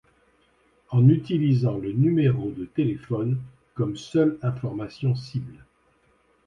En utilisant le numéro de téléphone comme seule information cible.